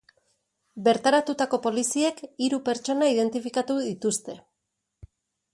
Bertaratutako poliziek hiru pertsona identifikatu dituzte.